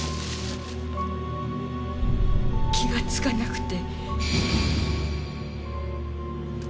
気がつかなくて。